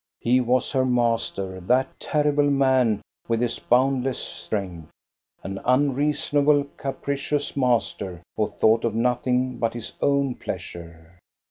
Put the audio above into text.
He was her master, that terrible man with his boundless strength, — an unreasonable, capricious master, who thought of nothing but his own pleasure.